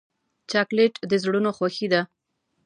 چاکلېټ د زړونو خوښي ده.